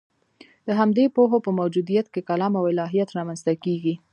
د همدې پوهو په موجودیت کې کلام او الهیات رامنځته کېږي.